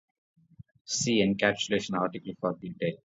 See encapsulation article for detail.